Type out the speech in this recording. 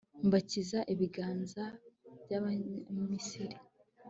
mbakiza ibiganza by'abanyamisiri